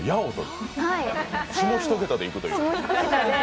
下１桁でいくと？